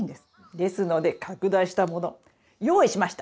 ですので拡大したもの用意しました。